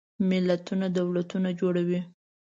ملتونه دولتونه جوړوي.